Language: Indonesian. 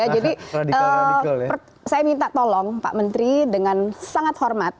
jadi saya minta tolong pak menteri dengan sangat hormat